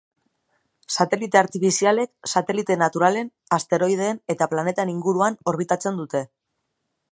Satelite artifizialek satelite naturalen, asteroideen eta planeten inguruan orbitatzen dute.